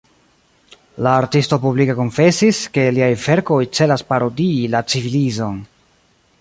La artisto publike konfesis, ke liaj verkoj celas parodii la civilizon.